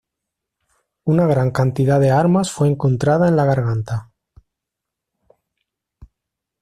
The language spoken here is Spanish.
Una gran cantidad de armas fue encontrada en la garganta.